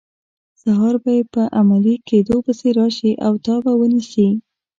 سهار به یې په عملي کیدو پسې راشي او تا به ونیسي.